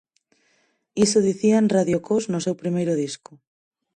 Iso dicían Radio Cos no seu primeiro disco.